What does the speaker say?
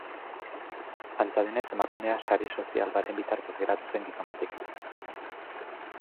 Antza denez, emakumea sare sozial baten bitartez geratu zen gizon batekin.